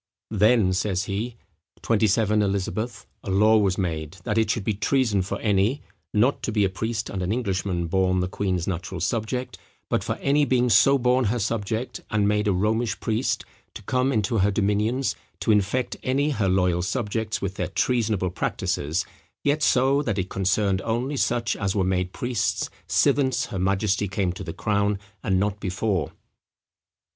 "Then," says he, "XXVII. Eliz. a law was made, that it should be treason for any, (not to be a priest and an Englishman, born the queen's natural subject,) but for any being so born her subject, and made a Romish priest, to come into her dominions, to infect any her loyal subjects with their treasonable practices; yet so, that it concerned only such as were made priests since her majesty came to the crown, and not before."